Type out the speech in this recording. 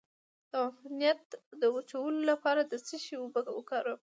د عفونت د وچولو لپاره د څه شي اوبه وکاروم؟